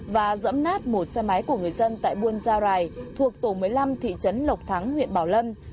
và dẫm nát một xe máy của người dân tại buôn giai thuộc tổ một mươi năm thị trấn lộc thắng huyện bảo lâm